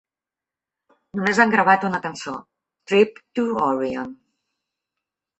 Només han gravat una cançó, "Trip to Orion".